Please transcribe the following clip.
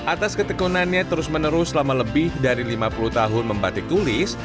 atas ketekunannya terus menerus selama lebih dari lima puluh tahun membatik tulis